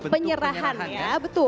penyerahan ya betul